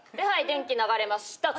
電気流れました。